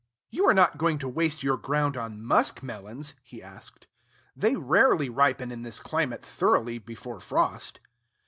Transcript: "You are not going to waste your ground on muskmelons?" he asked. "They rarely ripen in this climate thoroughly, before frost."